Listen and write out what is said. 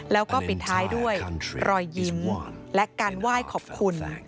แล้วก็ปิดท้ายด้วยรอยยิ้มและการไหว้ขอบคุณ